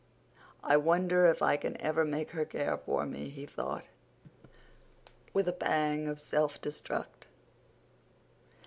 "I wonder if I can ever make her care for me," he thought, with a pang of self distrust.